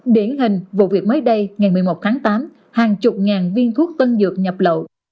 điển hình vụ việc mới đây ngày một mươi một tháng tám hàng chục ngàn viên thuốc tân dược nhập lậu